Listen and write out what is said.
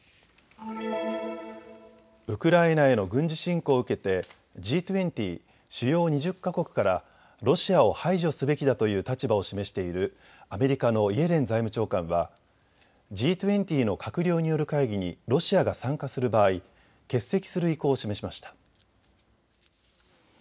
ウクライナへの軍事侵攻を受けてＧ２０・主要２０か国からロシアを排除すべきだという立場を示しているアメリカのイエレン財務長官はＧ２０の閣僚による会議にロシアが参加する場合、欠席する意向を示しました。